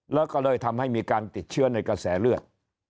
แล้วก็เลยทำให้มีการติดเชื้อในกระแสเลือด